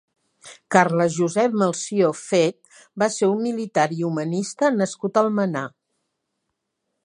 Carles-Josep Melcior Fet va ser un militar i humanista nascut a Almenar.